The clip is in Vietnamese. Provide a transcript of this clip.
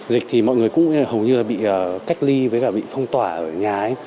dịch thì mọi người cũng hầu như bị cách ly với cả bị phong tỏa ở nhà